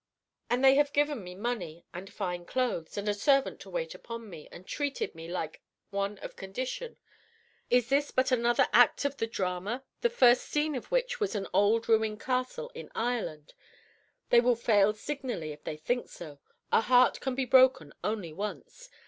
And they have given me money, and fine clothes, and a servant to wait upon me, and treated me like one of condition. Is this but another act of the drama, the first scene of which was an old ruined castle in Ireland? They will fail signally if they think so; a heart can be broken only once!